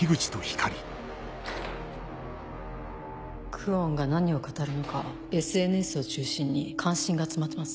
久遠が何を語るのかＳＮＳを中心に関心が集まってます。